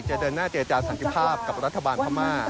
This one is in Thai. จะเดินหน้าเจรจาสันติภาพกับรัฐบาลพม่า